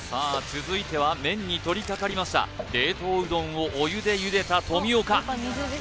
続いては麺に取りかかりました冷凍うどんをお湯で茹でた富岡